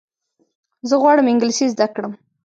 زه غواړم انګلیسي زده کړم.